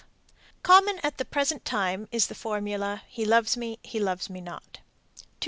Common at the present time is the formula: He loves me, he loves me not. 213.